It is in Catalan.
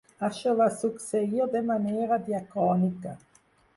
Això va succeir de manera diacrònica.